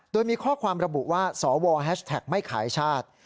โดยมีข้อความระบุว่าสวแฮชแท็กไม่ขายชาติ